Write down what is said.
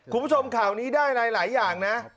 คุณผู้ชมข่าวนี้ได้หลายอย่างนะ